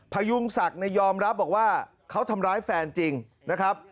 พยุงศักดิ์ยอมรับบอกว่าเขาทำร้ายแฟนจริงนะครับ